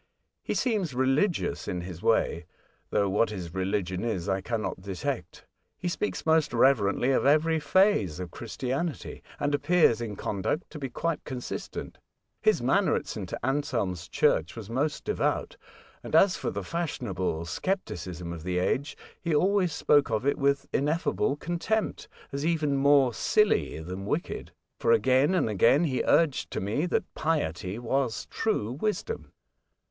He seems religious in his way; though what his religion is I cannot detect. He speaks most reverently of every phase of Christianity, and appears in conduct to be quite consistent. His manner at St, Anselm's church was most devout, and as for the fashionable scepticism of the age he always spoke of it with ineffable contempt, as even more silly than wicked ; for, again and again, he urged to me that piety was true wisdom."